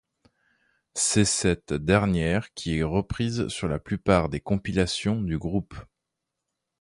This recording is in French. C'est cette dernière qui est reprise sur la plupart des compilations du groupe.